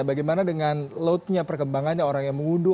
bagaimana dengan loadnya perkembangannya orang yang mengudu